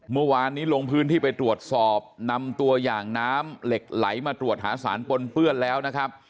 เมื่อวานนี้ลงพื้นที่ไปตรวจสอบนำตัวอย่างน้ำเหล็กไหลมาตรวจหาสารปนเปื้อนแล้วนะครับ